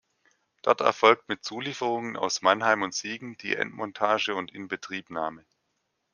Dort erfolgt mit Zulieferungen aus Mannheim und Siegen die Endmontage und Inbetriebnahme.